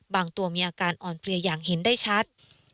ตัวมีอาการอ่อนเพลียอย่างเห็นได้ชัด